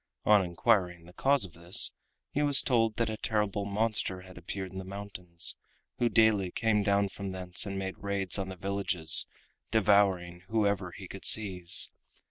On inquiring the cause of this he was told that a terrible monster had appeared in the mountains, who daily came down from thence and made raids on the villages, devouring whoever he could seize.